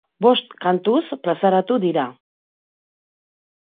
Bost kantuz plazaratu dira.